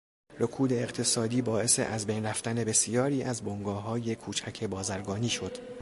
رکود اقتصادی باعث ازبین رفتن بسیاری از بنگاههای کوچک بازرگانی شد.